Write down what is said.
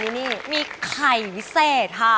ก็วันนี้มีไข่วิเศษฮะ